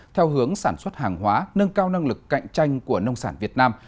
theo hướng sản xuất hàng hóa nâng cao năng lực cạnh tranh của nông sản việt nam